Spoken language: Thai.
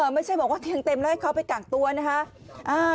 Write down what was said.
ไม่ใช่บอกว่าเตียงเต็มแล้วให้เขาไปกักตัวนะคะ